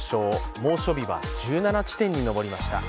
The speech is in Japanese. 猛暑日は１７地点に上りました。